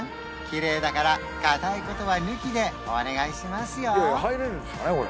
きれいだから硬いことは抜きでお願いしますよ